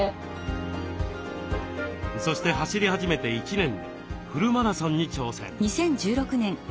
そして走り始めて１年でフルマラソンに挑戦。